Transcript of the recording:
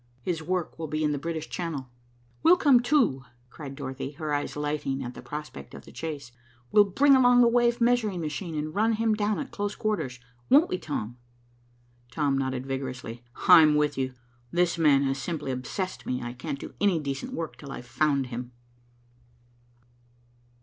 His work will be in the British Channel." "We'll come too," cried Dorothy, her eyes lighting at the prospect of the chase. "We'll bring along the wave measuring machine, and run him down at close quarters, won't we, Tom?" Tom nodded vigorously. "I'm with you. This man has simply obsessed me. I can't do any decent work till I've found him."